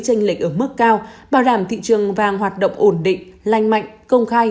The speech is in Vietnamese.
tranh lệch ở mức cao bảo đảm thị trường vàng hoạt động ổn định lành mạnh công khai